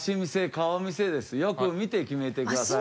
よく見て決めてください。